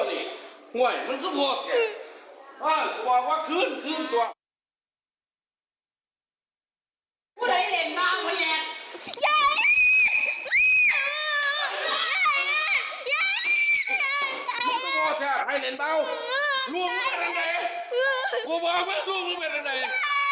เหตุการณ์นี้๑๐สิงหาคมค่ะ